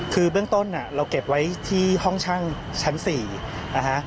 คือเบื้องต้นเราเก็บไว้ที่ห้องช่างชั้น๔นะฮะ